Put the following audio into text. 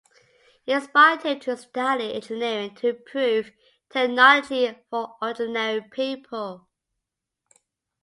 It inspired him to study engineering to improve technology for ordinary people.